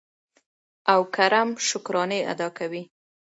او کرم شکرانې ادا کوي.